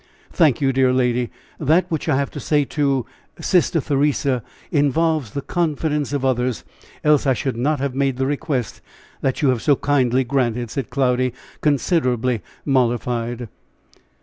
"Thank you, dear lady that which I have to say to Sister Theresa involves the confidence of others: else I should not have made the request that you have so kindly granted," said Cloudy, considerably mollified.